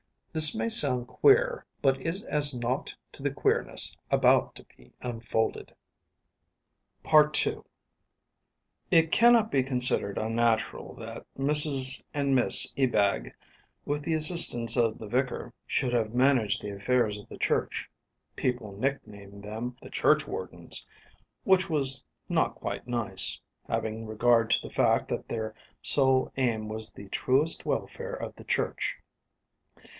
This may sound queer, but is as naught to the queerness about to be unfolded. II It cannot be considered unnatural that Mrs and Miss Ebag, with the assistance of the vicar, should have managed the affairs of the church. People nicknamed them "the churchwardens," which was not quite nice, having regard to the fact that their sole aim was the truest welfare of the church.